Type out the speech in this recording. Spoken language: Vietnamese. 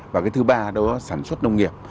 và cái thứ ba đó sản xuất nông nghiệp